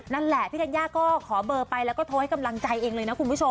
นั่นแหละพี่ธัญญาก็ขอเบอร์ไปแล้วก็โทรให้กำลังใจเองเลยนะคุณผู้ชม